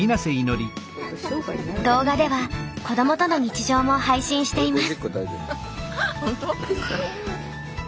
動画では子どもとの日常も配信しています。